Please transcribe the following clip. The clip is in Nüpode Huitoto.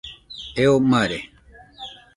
Eo mare